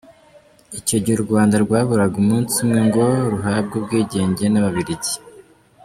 Icyo gihe u Rwanda rwaburaga umunsi umwe ngo ruhabwe ubwigenge n’Ababiligi.